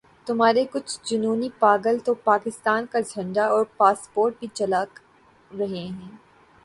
تمہارے کچھ جنونی پاگل تو پاکستان کا جھنڈا اور پاسپورٹ بھی جلا رہے ہیں۔